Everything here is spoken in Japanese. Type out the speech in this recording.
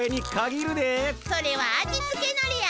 それは味つけのりや。